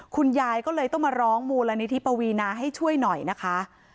คุณยายก็เลยต้องมาร้องมูลนิธิปวีนาให้ช่วยหน่อยนะคะ